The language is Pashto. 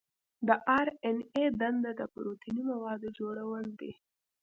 د آر این اې دنده د پروتیني موادو جوړول دي.